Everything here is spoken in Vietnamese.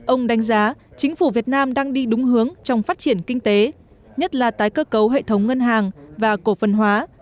ông đánh giá chính phủ việt nam đang đi đúng hướng trong phát triển kinh tế nhất là tái cơ cấu hệ thống ngân hàng và cổ phần hóa